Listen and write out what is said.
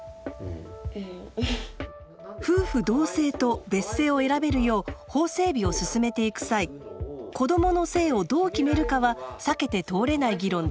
夫婦同姓と別姓を選べるよう法整備を進めていく際子どもの姓をどう決めるかは避けて通れない議論です。